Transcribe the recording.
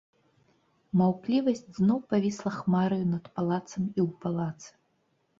Маўклівасць зноў павісла хмараю над палацам і ў палацы.